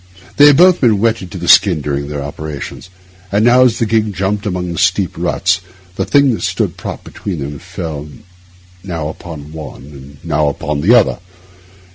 They had both been wetted to the skin during their operations, and now, as the gig jumped among the deep ruts, the thing that stood propped between them fell now upon one and now upon the other.